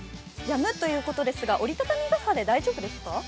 やむということですが、折り畳み傘で大丈夫ですか？